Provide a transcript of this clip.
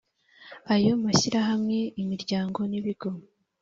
ayo mashyirahamwe imiryango n ibigo